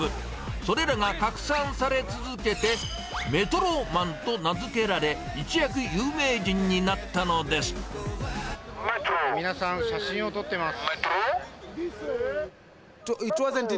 それらが拡散され続けて、メトロマンと名付けられ、一躍有名人に皆さん、写真を撮ってます。